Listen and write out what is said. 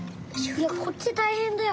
いやこっちたいへんだよ。